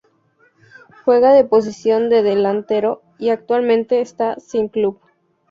Juega de posición de Delantero y actualmente está sin club.